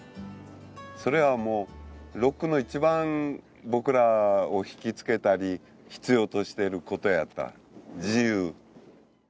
それはもうロックの一番僕らをひきつけたり必要としてることやった「自由」